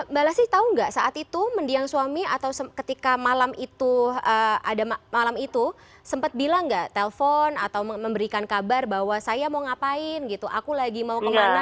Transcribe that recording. mbak lasih tahu nggak saat itu mendiang suami atau ketika malam itu ada malam itu sempat bilang nggak telpon atau memberikan kabar bahwa saya mau ngapain gitu aku lagi mau kemana